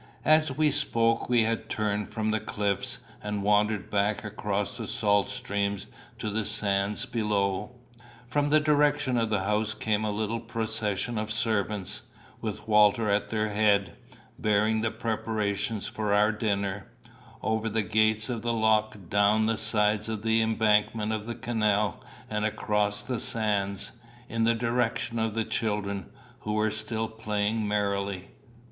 As we spoke, we had turned from the cliffs, and wandered back across the salt streams to the sands beyond. From the direction of the house came a little procession of servants, with Walter at their head, bearing the preparations for our dinner over the gates of the lock, down the sides of the embankment of the canal, and across the sands, in the direction of the children, who were still playing merrily.